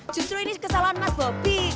justru ini kesalahan mas bobi